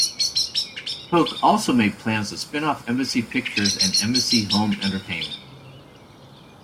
Coke also made plans to spin-off Embassy Pictures and Embassy Home Entertainment.